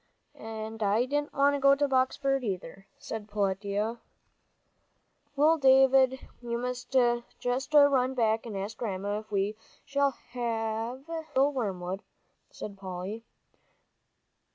"And I didn't want to go to Boxford, either," said Peletiah. "Well, David, you must just run back and ask Grandma if we may have a little wormwood," said Polly.